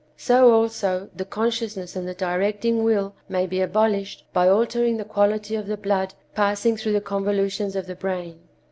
So, also, the consciousness and the directing will may be abolished by altering the quality of the blood passing through the convolutions of the brain.